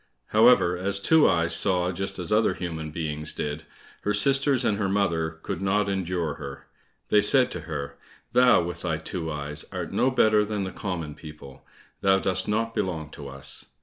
However, as Two eyes saw just as other human beings did, her sisters and her mother could not endure her. They said to her, "Thou, with thy two eyes, art no better than the common people; thou dost not belong to us!"